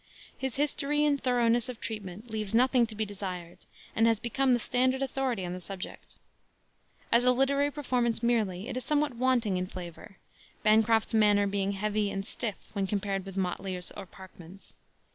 His history in thoroughness of treatment leaves nothing to be desired, and has become the standard authority on the subject. As a literary performance merely, it is somewhat wanting in flavor, Bancroft's manner being heavy and stiff when compared with Motley's or Parkman's.